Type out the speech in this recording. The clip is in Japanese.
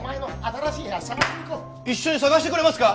一緒に探してくれますか？